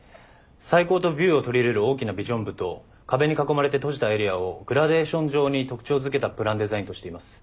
採光とビューを取り入れる大きなビジョン部と壁に囲まれて閉じたエリアをグラデーション状に特徴づけたプランデザインとしています。